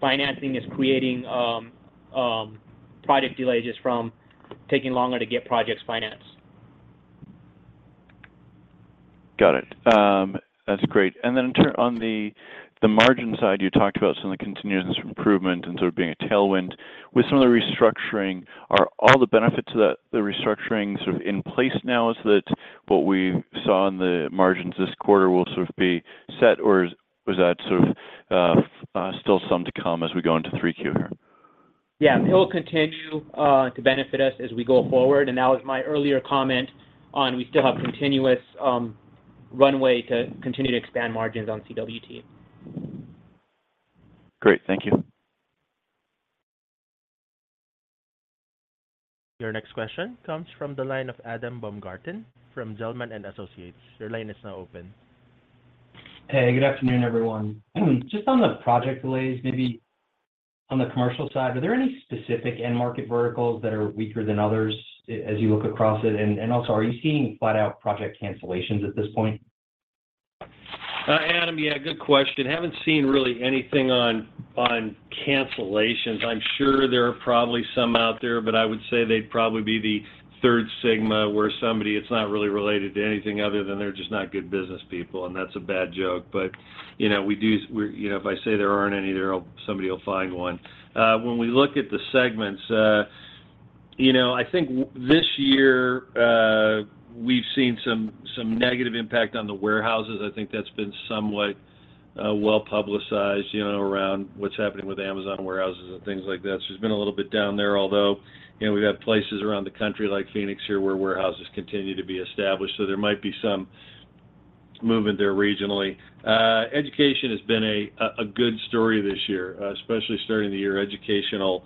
Financing is creating project delays just from taking longer to get projects financed. Got it. That's great. Then on the margin side, you talked about some of the continuous improvement and sort of being a tailwind. With some of the restructuring, are all the benefits of the restructuring sort of in place now? Is that what we saw in the margins this quarter will sort of be set, or was that sort of, still some to come as we go into Q3 here? Yeah. It will continue to benefit us as we go forward. Now with my earlier comment on we still have continuous runway to continue to expand margins on CWT. Great. Thank you. Your next question comes from the line of Adam Baumgarten from Zelman & Associates. Your line is now open.... Hey, good afternoon, everyone. Just on the project delays, maybe on the commercial side, are there any specific end market verticals that are weaker than others as you look across it? Also, are you seeing flat-out project cancellations at this point? Adam, yeah, good question. Haven't seen really anything on cancellations. I'm sure there are probably some out there, but I would say they'd probably be the third sigma, where somebody, it's not really related to anything other than they're just not good business people, and that's a bad joke. You know, we, you know, if I say there aren't any there, somebody will find one. When we look at the segments, you know, I think this year, we've seen some negative impact on the warehouses. I think that's been somewhat, well-publicized, you know, around what's happening with Amazon warehouses and things like that. It's been a little bit down there, although, you know, we've had places around the country like Phoenix here, where warehouses continue to be established, so there might be some movement there regionally. Education has been a good story this year. Especially starting the year, educational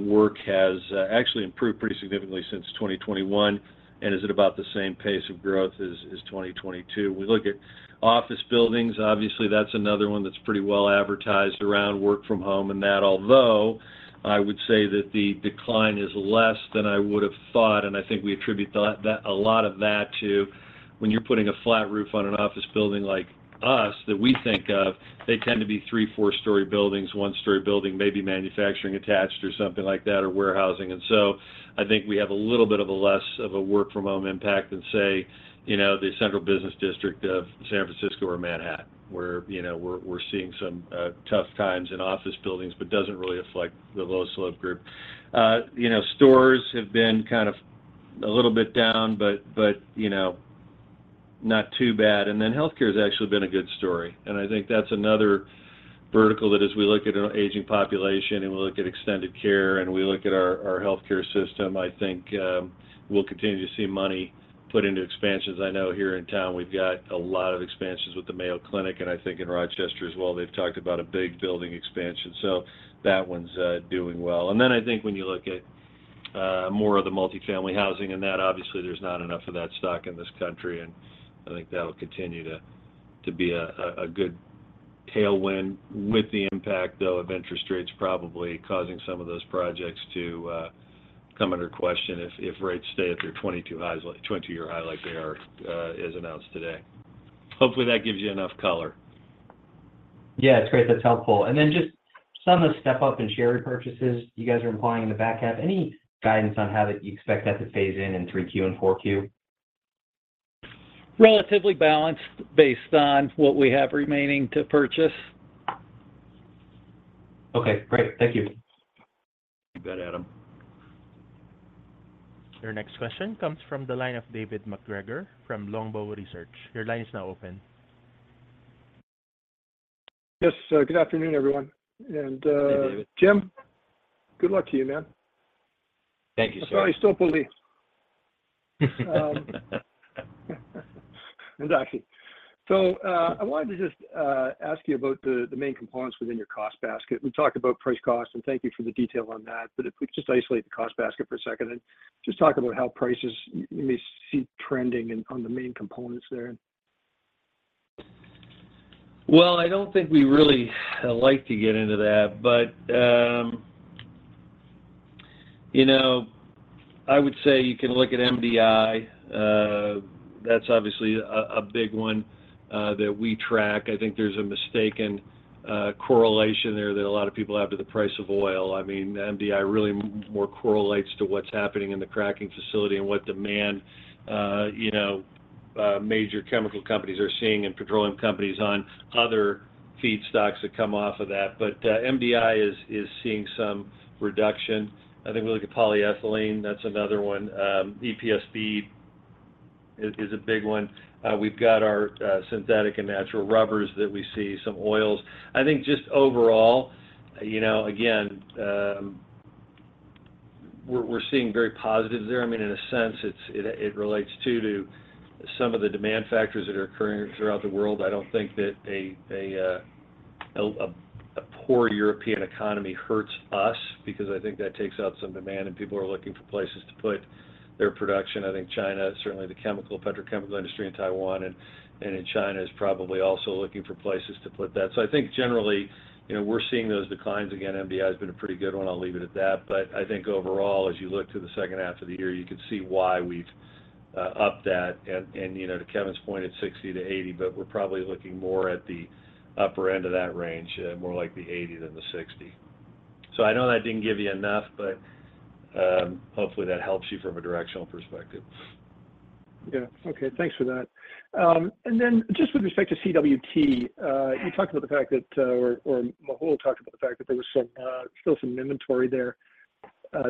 work has actually improved pretty significantly since 2021, and is at about the same pace of growth as 2022. We look at office buildings, obviously, that's another one that's pretty well advertised around work from home, and that although, I would say that the decline is less than I would have thought, and I think we attribute a lot of that to when you're putting a flat roof on an office building like us, that we think of, they tend to be 3, 4-story buildings, 1-story building, maybe manufacturing attached or something like that, or warehousing. I think we have a little bit of a less of a work-from-home impact than, say, you know, the central business district of San Francisco or Manhattan, where, you know, we're seeing some tough times in office buildings, but doesn't really affect the low slope group. You know, stores have been kind of a little bit down, but, you know, not too bad. Then healthcare has actually been a good story, and I think that's another vertical that as we look at an aging population and we look at extended care and we look at our healthcare system, I think, we'll continue to see money put into expansions. I know here in town, we've got a lot of expansions with the Mayo Clinic, and I think in Rochester as well, they've talked about a big building expansion. That one's doing well. I think when you look at more of the multifamily housing and that, obviously, there's not enough of that stock in this country, and I think that will continue to be a good tailwind with the impact, though, of interest rates probably causing some of those projects to come under question if rates stay at their 22 highs- 20-year high like they are as announced today. Hopefully, that gives you enough color. Yeah, it's great. That's helpful. Just some of the step up in share repurchases you guys are implying in the back half, any guidance on how that you expect that to phase in Q3 and Q4? Relatively balanced, based on what we have remaining to purchase. Okay, great. Thank you. You bet, Adam. Your next question comes from the line of David MacGregor from Longbow Research. Your line is now open. Yes, good afternoon, everyone. Hey, David. Jim, good luck to you, man. Thank you, sir. I still believe. Exactly. I wanted to just ask you about the main components within your cost basket. We talked about price cost, and thank you for the detail on that. If we just isolate the cost basket for a second and just talk about how prices you may see trending on the main components there. I don't think we really like to get into that, you know, I would say you can look at MDI. That's obviously a big one that we track. I think there's a mistaken correlation there that a lot of people have to the price of oil. I mean, MDI really more correlates to what's happening in the cracking facility and what demand, you know, major chemical companies are seeing and petroleum companies on other feedstocks that come off of that. MDI is seeing some reduction. I think we look at polyethylene, that's another one. EPSB is a big one. We've got our synthetic and natural rubbers that we see, some oils. I think just overall, you know, again, we're seeing very positive there. I mean, in a sense, it relates, too, to some of the demand factors that are occurring throughout the world. I don't think that a poor European economy hurts us because I think that takes out some demand, and people are looking for places to put their production. I think China, certainly the chemical, petrochemical industry in Taiwan and in China is probably also looking for places to put that. I think generally, you know, we're seeing those declines. Again, MDI has been a pretty good one. I'll leave it at that. I think overall, as you look to the H2 of the year, you can see why we've upped that, and, you know, to Kevin's point, it's 60 to 80, but we're probably looking more at the upper end of that range, more like the 80 than the 60. I know that didn't give you enough, but hopefully, that helps you from a directional perspective. Yeah. Okay, thanks for that. Then just with respect to CWT, you talked about the fact that or Mehul talked about the fact that there was still some inventory there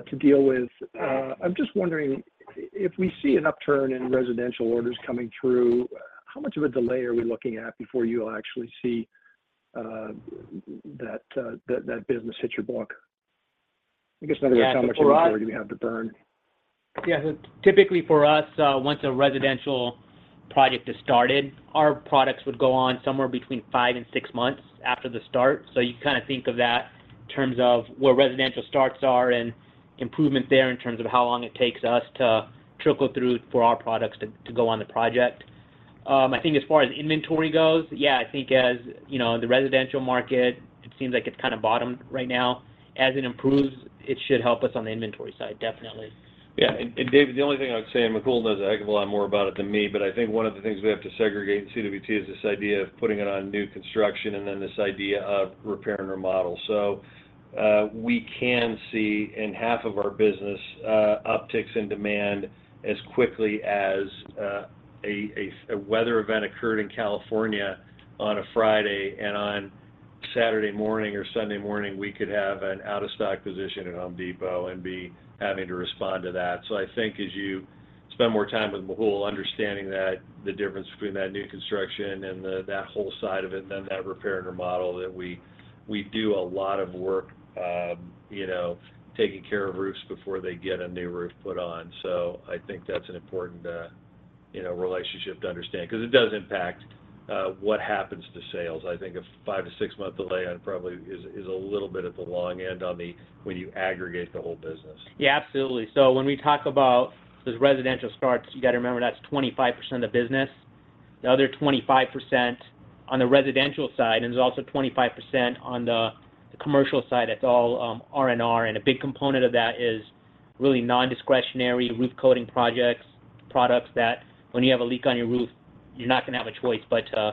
to deal with. I'm just wondering, if we see an upturn in residential orders coming through, how much of a delay are we looking at before you'll actually see that business hit your book? I guess another way, how much inventory do you have to burn? Yeah, typically for us, once a residential project is started, our products would go on somewhere between five and six months after the start. You kind of think of that in terms of where residential starts are and improvements there in terms of how long it takes us to trickle through for our products to go on the project. I think as far as inventory goes, yeah, I think as, you know, the residential market, it seems like it's kind of bottomed right now. As it improves, it should help us on the inventory side, definitely. Yeah. David, the only thing I would say, and Mehul knows a heck of a lot more about it than me, but I think one of the things we have to segregate in CWT is this idea of putting it on new construction, and then this idea of repair and remodel. We can see in half of our business, upticks in demand as quickly as a weather event occurred in California on a Friday, and on Saturday morning or Sunday morning, we could have an out-of-stock position at The Home Depot and be having to respond to that. I think as you spend more time with Mehul, understanding that the difference between that new construction and the, that whole side of it, then that repair and remodel, that we do a lot of work, you know, taking care of roofs before they get a new roof put on. I think that's an important, you know, relationship to understand, 'cause it does impact, what happens to sales. I think a 5- to 6-month delay on it probably is a little bit at the long end on the when you aggregate the whole business. Yeah, absolutely. When we talk about those residential starts, you gotta remember, that's 25% of the business. The other 25% on the residential side, and there's also 25% on the commercial side, that's all R&R, and a big component of that is really nondiscretionary roof coating projects, products that when you have a leak on your roof, you're not gonna have a choice but to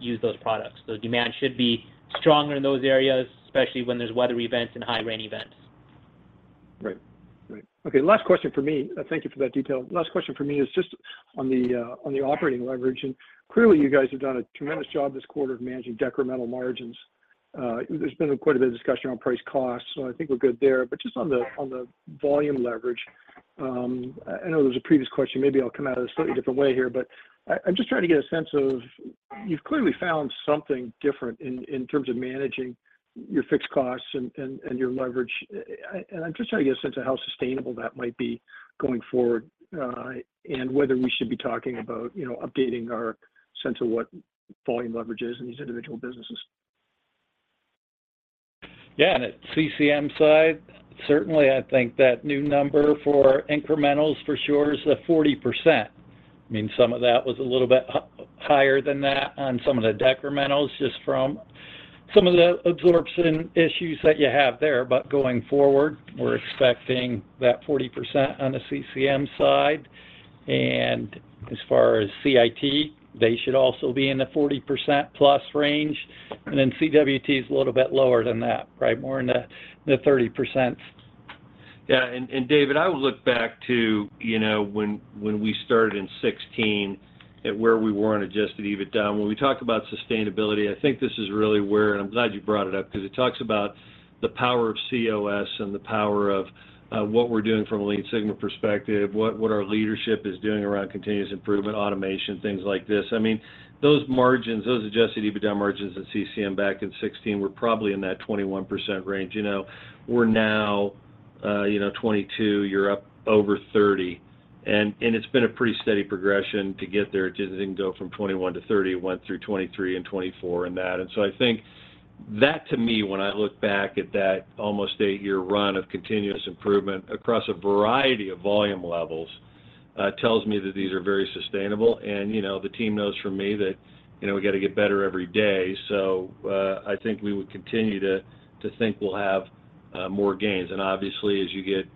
use those products. Demand should be stronger in those areas, especially when there's weather events and high rain events. Right. Right. Okay, last question for me. Thank you for that detail. Last question for me is just on the operating leverage. Clearly, you guys have done a tremendous job this quarter of managing decremental margins. There's been quite a bit of discussion on price costs, so I think we're good there. Just on the volume leverage, I know there was a previous question. Maybe I'll come at it a slightly different way here, but I'm just trying to get a sense of... You've clearly found something different in terms of managing your fixed costs and your leverage. I'm just trying to get a sense of how sustainable that might be going forward, and whether we should be talking about, you know, updating our sense of what volume leverage is in these individual businesses. Yeah, on the CCM side, certainly, I think that new number for incrementals, for sure, is a 40%. I mean, some of that was a little bit higher than that on some of the decrementals, just from some of the absorption issues that you have there. Going forward, we're expecting that 40% on the CCM side, and as far as CIT, they should also be in the 40%-plus range, and then CWT is a little bit lower than that, right? More in the 30%. Yeah, David, I would look back to, you know, when we started in 2016, at where we were on adjusted EBITDA. When we talk about sustainability, I think this is really where, and I'm glad you brought it up, 'cause it talks about the power of COS and the power of what we're doing from a Lean Six Sigma perspective, what our leadership is doing around continuous improvement, automation, things like this. I mean, those margins, those adjusted EBITDA margins at CCM back in 2016 were probably in that 21% range. You know, we're now, you know, 22. You're up over 30, and it's been a pretty steady progression to get there. It didn't just go from 21 to 30. It went through 23 and 24 and that. I think that, to me, when I look back at that eight-year run of continuous improvement across a variety of volume levels, tells me that these are very sustainable. You know, the team knows from me that, you know, we gotta get better every day, so, I think we would continue to think we'll have more gains. Obviously, as you get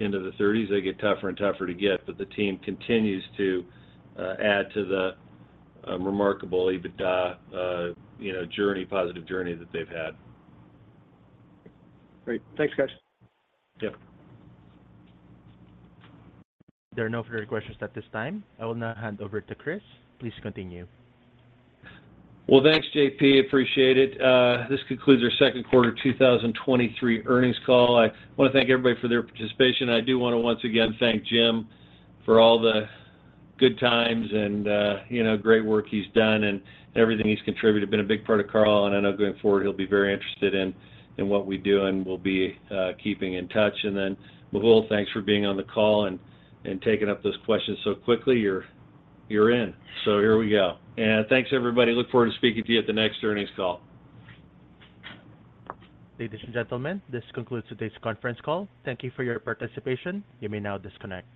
into the thirties, they get tougher and tougher to get, but the team continues to add to the remarkable EBITDA, you know, journey, positive journey that they've had. Great. Thanks, guys. Yep. There are no further questions at this time. I will now hand over to Chris. Please continue. Well, thanks, JP. Appreciate it. This concludes our Q2 2023 earnings call. I wanna thank everybody for their participation. I do wanna once again thank Jim for all the good times and, you know, great work he's done and everything he's contributed. Been a big part of Carlisle, and I know going forward, he'll be very interested in what we do, and we'll be keeping in touch. Mehul, thanks for being on the call and taking up those questions so quickly. You're in. Here we go. Thanks, everybody. Look forward to speaking to you at the next earnings call. Ladies and gentlemen, this concludes today's conference call. Thank you for your participation. You may now disconnect.